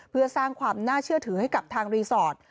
เพื่อสร้างความน่าเชื่อถือให้กับทางรีสอร์ท